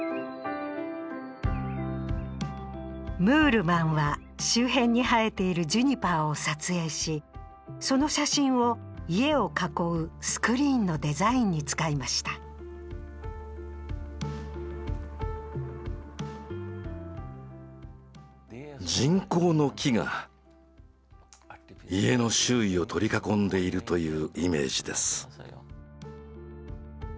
ムールマンは周辺に生えているジュニパーを撮影しその写真を家を囲うスクリーンのデザインに使いました人工の木が家の周囲を取り囲んでいるというイメージです。